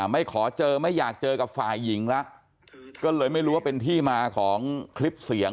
ไม่ขอเจอไม่อยากเจอกับฝ่ายหญิงแล้วก็เลยไม่รู้ว่าเป็นที่มาของคลิปเสียง